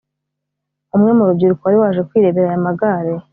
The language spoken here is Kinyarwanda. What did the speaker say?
umwe mu rubyiruko wari waje kwirebera aya magare